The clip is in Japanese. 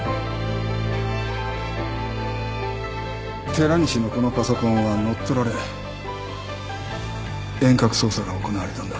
寺西のこのパソコンは乗っ取られ遠隔操作が行われたんだ。